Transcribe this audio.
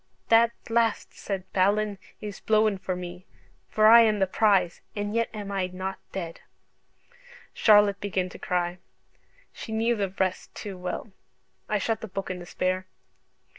'That blast,' said Balin, 'is blowen for me, for I am the prize, and yet am I not dead.'" Charlotte began to cry: she knew the rest too well. I shut the book in despair.